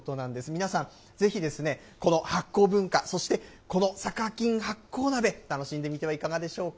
皆さん、ぜひ、この発酵文化、そしてこのさかきん発酵鍋、楽しんでみてはいかがでしょうか。